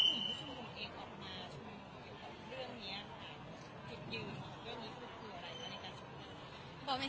คุณถึงยืนเรื่องนี้คืออะไรค่ะในการชมูง